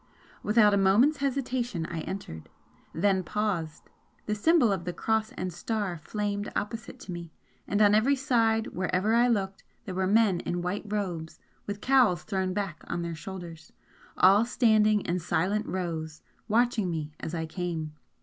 Without a moment's hesitation, I entered then paused the symbol of the Cross and Star flamed opposite to me and on every side wherever I looked there were men in white robes with cowls thrown back on their shoulders, all standing in silent rows, watching me as I came.